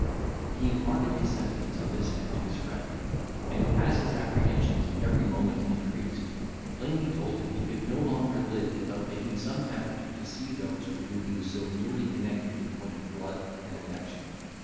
He imparted his sentiments on this head to his friend; and, as his apprehensions every moment increased, plainly told him he could no longer live without making some effort to see those with whom he was so nearly connected in point of blood and affection.